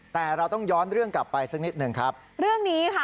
แต่เราต้องย้อนเรื่องกลับไปสักนิดหนึ่งครับเรื่องนี้ค่ะ